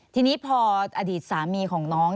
ทีนี้พออดีตสามีของน้อง